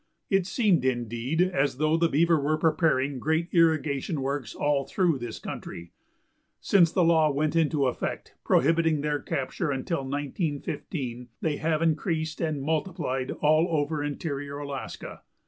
It seemed, indeed, as though the beaver were preparing great irrigation works all through this country. Since the law went into effect prohibiting their capture until 1915 they have increased and multiplied all over interior Alaska.